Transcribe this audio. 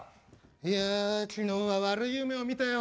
いや昨日は悪い夢を見たよ。